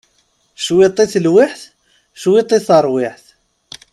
Cwiṭ i telwiḥt cwiṭ i teṛwiḥt!